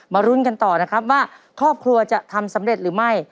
รุ้นกันต่อนะครับว่าครอบครัวจะทำสำเร็จหรือไม่